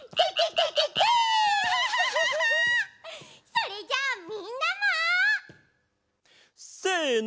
それじゃあみんなも！せの。